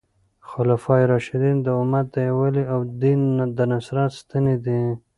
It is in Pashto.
خلفای راشدین د امت د یووالي او د دین د نصرت ستنې دي.